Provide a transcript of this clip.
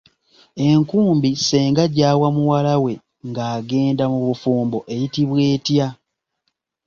Enkumbi ssenga gyawa muwala we ng'agenda mu bufumbo eyitibwa etya?